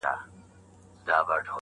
څه مي ارام پرېږده ته.